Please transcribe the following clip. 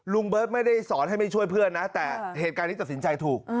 เบิร์ตไม่ได้สอนให้ไม่ช่วยเพื่อนนะแต่เหตุการณ์นี้ตัดสินใจถูก